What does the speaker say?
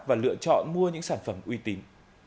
và lựa chọn mua những sản phẩm uy tín